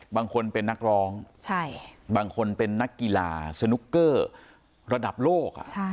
บางคนเป็นนักร้องบางคนเป็นนักกีฬาสนุกเกอร์ระดับโลก